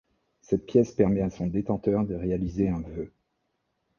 Cette pièce permet à son détenteur de réaliser un vœu.